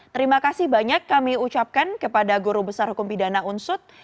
terima kasih banyak kami ucapkan kepada guru besar hukum pidana unsut